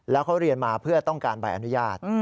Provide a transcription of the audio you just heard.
แล้วเขาเรียนมาเพื่อต้องการใบอนุญาต